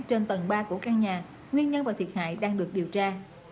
trên tầng ba của căn nhà nguyên nhân và thiệt hại đang được điều tra